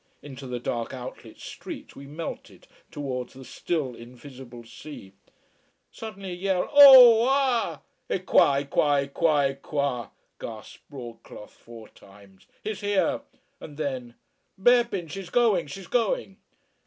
Into the dark outlet street we melted, towards the still invisible sea. Suddenly a yell "OO ahh!!" "È qua! È qua! È qua! È qua!" gasped broad cloth four times. "He's here!" And then: "Beppin' she's going, she's going!"